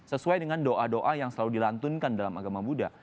sesuai dengan doa doa yang selalu dilantunkan dalam agama buddha